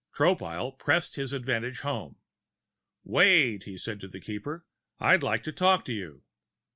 Tropile pressed his advantage home. "Wait," he said to the Keeper. "I'd like to talk to you."